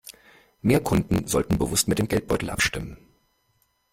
Mehr Kunden sollten bewusst mit dem Geldbeutel abstimmen.